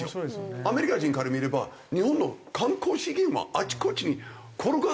アメリカ人から見れば日本の観光資源はあちこちに転がってるのに。